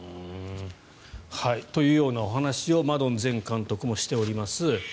というようなお話をマドン前監督もしております。